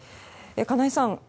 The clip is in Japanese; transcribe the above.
金井さん